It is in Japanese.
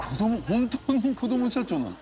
本当に子ども社長なの？